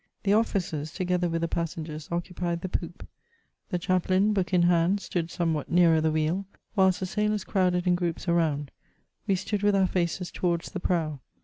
The officers, together with the passengers, occupied the poop ; the chaplain, book in hand, stood somewhat nearer the wheel, whilst the sailors crowded in groups around ; we stood with our faces towards the prow.